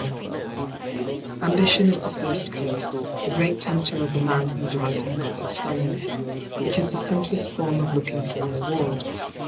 — Ambition is the first curse : the great tempter of the man who is rising above his fellows. It is the simplest form of looking for reward.